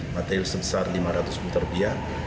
material sebesar lima ratus juta rupiah